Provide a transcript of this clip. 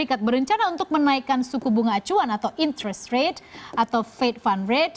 ikat berencana untuk menaikkan suku bunga acuan atau interest rate atau faith fund rate